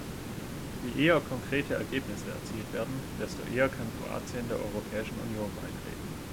Je eher konkrete Ergebnisse erzielt werden, desto eher kann Kroatien der Europäischen Union beitreten.